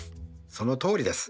そのとおりです。